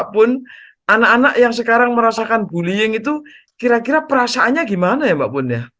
walaupun anak anak yang sekarang merasakan bullying itu kira kira perasaannya gimana ya mbak pun ya